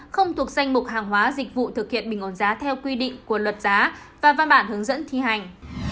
không thuộc danh mục hàng hóa dịch vụ thực hiện bình ổn giá theo quy định của luật giá và văn bản hướng dẫn thi hành